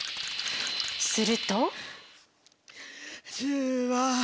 すると。